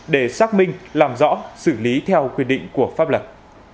để xác minh làm rõ xử lý theo quyền định của pháp lật